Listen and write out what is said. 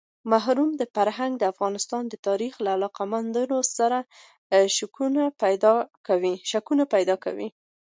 مرحوم فرهنګ د افغانستان د تاریخ له علاقه مندانو سره شکونه پیدا کوي.